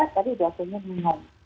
tapi rasanya minum